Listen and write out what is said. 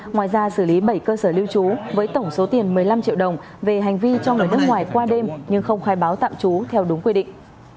ngoài ra xử lý bảy cơ sở lưu trú với tổng số tiền một mươi năm triệu đồng về hành vi cho người nước ngoài qua đêm nhưng không khai báo tạm trú theo đúng quy định